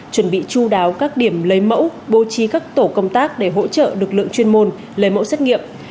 chuẩn bị chú đáo các điểm lấy mẫu bố trí các tổ công tác để hỗ trợ lực lượng chuyên môn lấy mẫu xét nghiệm